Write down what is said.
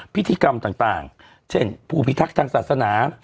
พิธีกรรมต่างเช่นผู้พิทักษ์ทางศาสนา